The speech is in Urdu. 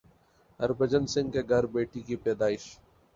ہربھجن سنگھ کے گھر بیٹی کی پیدائش